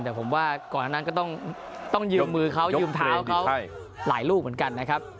แต่ผมว่าก่อนนั้นก็ต้องยืมมือเขายืมเท้าเขาหลายลูกเหมือนกันนะครับ